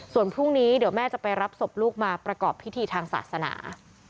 ส่วนพรุ่งนี้เดี๋ยวแม่จะไปรับศพลูกมาประกอบพิธีทางศาสนา